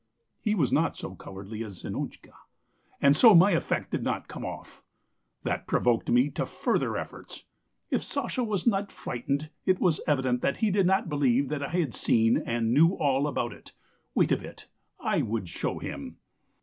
"He was not so cowardly as Zinotchka, and so my effect did not come off. That provoked me to further efforts. If Sasha was not frightened it was evident that he did not believe that I had seen and knew all about it; wait a bit, I would show him.